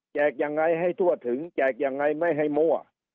ยังไงให้ทั่วถึงแจกยังไงไม่ให้มั่ว